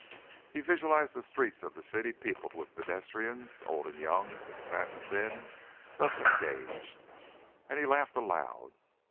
He visualized the streets of the city peopled with pedestrians, old and young, fat and thin, thus engaged, and he laughed aloud.